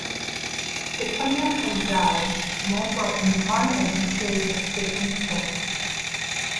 Ses premiers paysages montrent une grande habileté d'exécution.